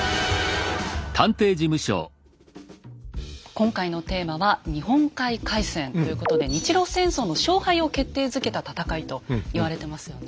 今回のテーマは「日本海海戦」ということで日露戦争の勝敗を決定づけた戦いと言われてますよね。